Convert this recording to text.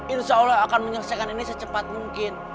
insya allah akan menyelesaikan ini secepat mungkin